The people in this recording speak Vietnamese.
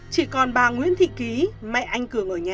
chỉ còn bà nguyễn thị ký mẹ anh